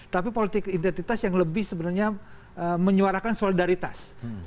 tapi politik identitas yang lebih sebenarnya menyuarakan solidaritas